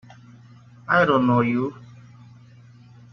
I don't know you!